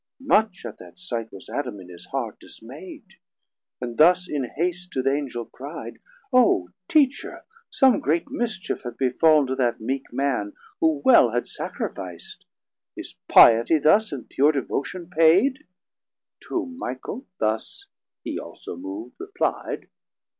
Much at that sight was Adam in his heart Dismai'd, and thus in haste to th' Angel cri'd. O Teacher, some great mischief hath befall'n 450 To that meek man, who well had sacrific'd; Is Pietie thus and pure Devotion paid? T' whom Michael thus, hee also mov'd, repli'd.